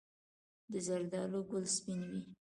د زردالو ګل سپین وي؟